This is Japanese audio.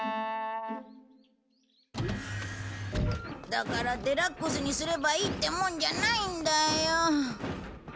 だからデラックスにすればいいってもんじゃないんだよ。